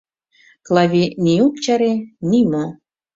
Клави ни ок чаре, ни мо.